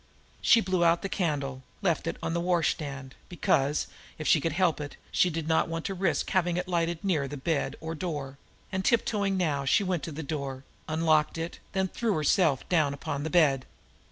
She blew out the candle, left it on the washstand, because, if she could help it, she did not want to risk having it lighted near the bed or door, and, tiptoeing now, went to the door, unlocked it, then threw herself down upon the bed.